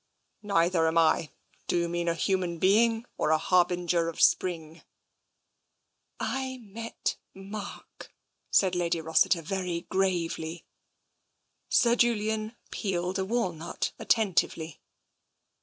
Neither am I. Do you mean a human being, or a harbinger of spring ?"" I met Mark,'' said Lady Rossiter very gravely. Sir Julian peeled a walnut attentively.